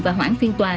và hoãn phiên tòa